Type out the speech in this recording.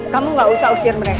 kamu gak usah usia mereka